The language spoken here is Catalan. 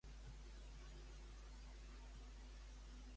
Per què no creu necessari debatre sobre qui hauria de ser alcalde?